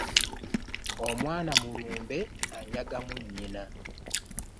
Omwana mu lumbe anyagamu nyinna .